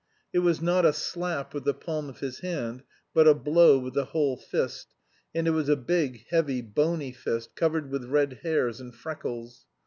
It was not a slap with the palm of his hand, but a blow with the whole fist, and it was a big, heavy, bony fist covered with red hairs and freckles.